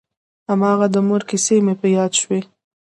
هماغه د مور کيسې مې په ياد شوې.